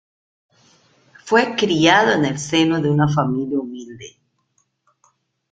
Fue criado en el seno de una familia humilde.